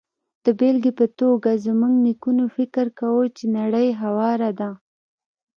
د بېلګې په توګه، زموږ نیکونو فکر کاوه چې نړۍ هواره ده.